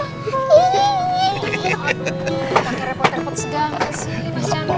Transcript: agak repot repot segala sih mas chandra